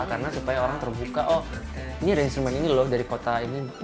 karena supaya orang terbuka oh ini ada instrumen ini loh dari kota ini